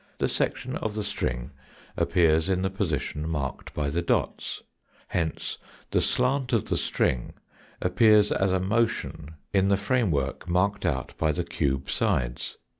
The section of the string appears in the position marked by the dots. Hence the slant of the string appears as a motion in the frame work marked out by the cube sides.